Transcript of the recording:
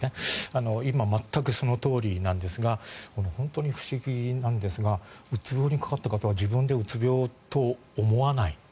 今、全くそのとおりなんですが本当に不思議なんですがうつ病にかかった方は自分でうつ病と思わない。